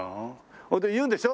それで言うんでしょ？